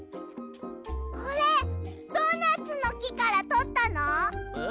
これドーナツのきからとったの？え？